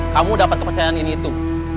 kamu dapat kepercayaan ini itu